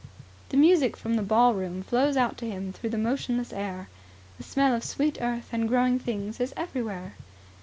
The music from the ballroom flows out to him through the motionless air. The smell of sweet earth and growing things is everywhere.